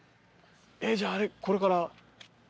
じゃああれこれから。